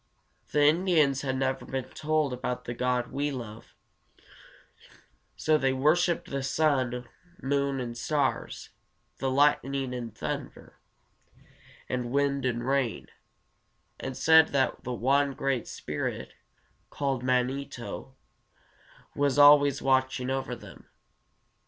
The Indians had never been told about the God we love, so they worshiped the sun, moon, and stars, the lightning and thunder, the wind and rain, and said that one great spirit, called Man´i to, was always watching over them.